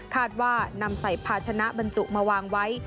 ว่านำใส่ภาชนะบรรจุมาวางไว้